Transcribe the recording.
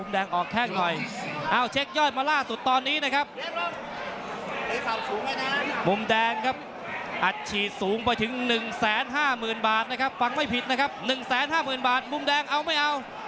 โดนให้ถิวหรือเปล่า